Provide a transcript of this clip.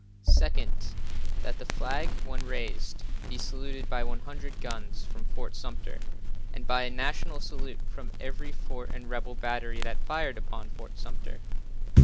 Second, That the flag, when raised be saluted by 100 guns from Fort Sumter and by a national salute from every fort and rebel battery that fired upon Fort Sumter.